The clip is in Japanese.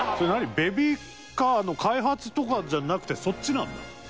ベビーカーの開発とかじゃなくてそっちなんだ。